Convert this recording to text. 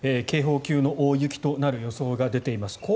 警報級の大雪となる予想が出ています。